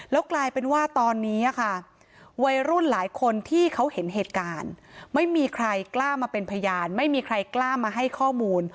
แล้วกลายเป็นว่าตอนนี้ค่ะวัยรุ่นหลายคนที่เขาเห็นเหตุการณ์ไม่มีใครกล้ามาเป็นพยานไม่มีใครกล้ามาให้ข้อมูล